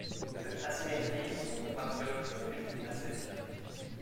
Cette asymétrie, nos compatriotes vont vite la saisir.